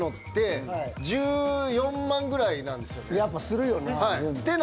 やっぱするよな。